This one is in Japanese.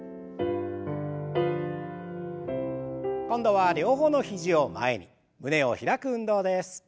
今度は両方の肘を前に胸を開く運動です。